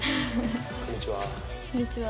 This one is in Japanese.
こんにちは。